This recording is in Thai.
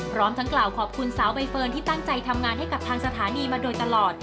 พร้อมทั้งกล่าวขอบคุณสาวใบเฟิร์นที่ตั้งใจทำงานให้กับทางสถานีมาโดยตลอด